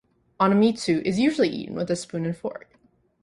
Anmitsu is usually eaten with a spoon and fork.